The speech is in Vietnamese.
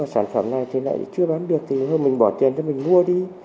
sản phẩm này thì lại chưa bán được thì thôi mình bỏ tiền cho mình mua đi